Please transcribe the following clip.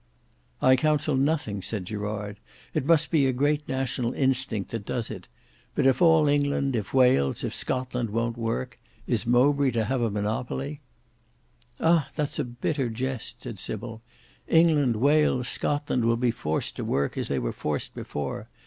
"I counsel nothing," said Gerard. "It must be a great national instinct that does it: but if all England, if Wales, if Scotland won't work, is Mowbray to have a monopoly?" "Ah! that's a bitter jest," said Sybil. "England, Wales, Scotland will be forced to work as they were forced before.